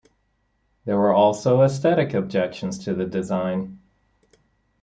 There were also aesthetic objections to the design.